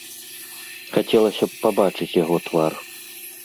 Хацелася б пабачыць яго твар.